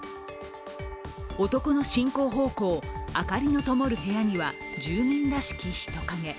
男の進行方向、明かりのともる部屋には住民らしき人影。